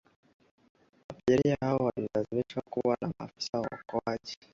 abiria hao hawakulazimishwa na maafisa wa uokoaji